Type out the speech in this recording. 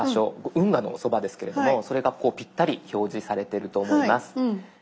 運河のそばですけれどもそれがぴったり表示されてると思います。